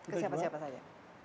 ke siapa siapa saja